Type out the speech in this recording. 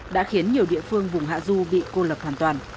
đã khiến nhiều địa phương vùng hạ du bị cô lập hoàn toàn